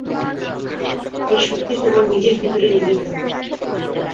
এই শক্তি তোমার নিজের ভিতরে নিহিত।